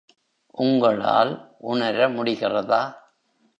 உங்களால் உணர முடிகிறதா?